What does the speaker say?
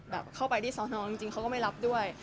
เข้าไปที่สอนอจริงเขาก็ไม่รับด้วย